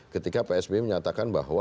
ketika pak sby menyatakan bahwa